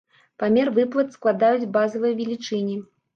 Памер выплат складаюць базавыя велічыні.